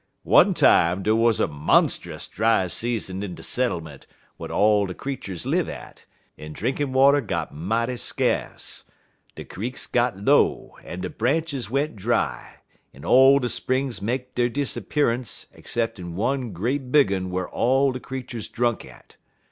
"One time dey wuz a monst'us dry season in de settlement whar all de creeturs live at, en drinkin' water got mighty skace. De creeks got low, en de branches went dry, en all de springs make der disappearance 'cep'n one great big un whar all de creeturs drunk at.